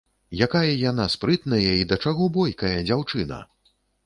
Якая яна спрытная і да чаго бойкая дзяўчына!